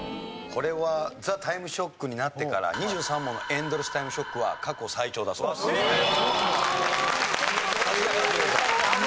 これは『ザ・タイムショック』になってから２３問のエンドレスタイムショックは過去最長だそうです。